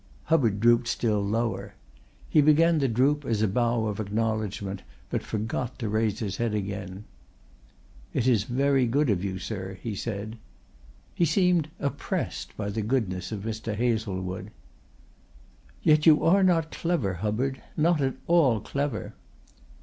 Hubbard drooped still lower. He began the droop as a bow of acknowledgment but forgot to raise his head again. "It is very good of you, sir," he said. He seemed oppressed by the goodness of Mr. Hazlewood. "Yet you are not clever, Hubbard! Not at all clever."